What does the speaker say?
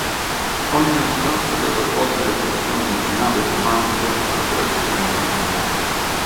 Ogni unità poteva svolgere funzioni di nave comando in operazioni combinate.